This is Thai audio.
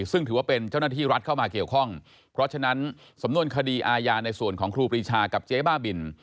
ซึ่งถือว่าเป็นเจ้าหน้าที่รัฐเข้ามาเกี่ยวข้องเพราะฉะนั้นสำนวนคดีอาญาในส่วนของครูปรีชากับเจ๊บ้าบิน